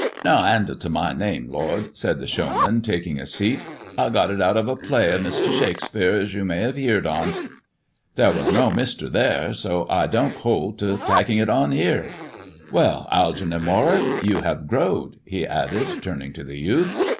" No 'andle to my name, lord," said the showman, taking a seat. I got it out of a play of Mr. Shakespeare, as you may have heerd *on. There was no Mister there, so I don't hold to tacking it on here. Well, Algeernon Warwick, you have growed," he added, turning to the youth.